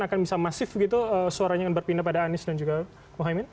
akan bisa masif gitu suaranya akan berpindah pada anies dan juga mohaimin